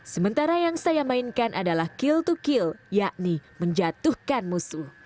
sementara yang saya mainkan adalah kill to kill yakni menjatuhkan musuh